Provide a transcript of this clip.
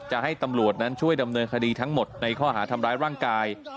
จะให้ตำรวจนั้นช่วยดำเนินคดีทั้งหมดในข้อหาทำร้ายร่างกาย